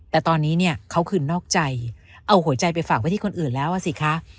แต่ตอนนี้เนี่ยเขาคือนอกใจเอาหัวใจไปฝากไว้ที่คนอื่นแล้วอ่ะสิคะ